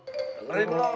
dengerin tuh abang tuh